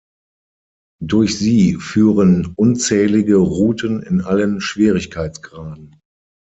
Durch sie führen unzählige Routen in allen Schwierigkeitsgraden.